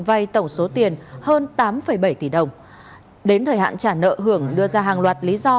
vay tổng số tiền hơn tám bảy tỷ đồng đến thời hạn trả nợ hưởng đưa ra hàng loạt lý do